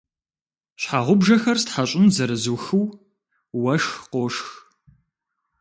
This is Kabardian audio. Щхьэгъубжэхэр стхьэщӏын зэрызухыу, уэшх къошх.